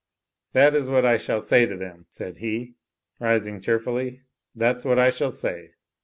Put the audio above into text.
That is what I shall say to them," said he, rising cheer fully, "that's what I shall say.